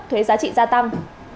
thuế giá trị gia tăng